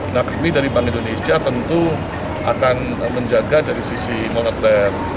nah kami dari bank indonesia tentu akan menjaga dari sisi moneter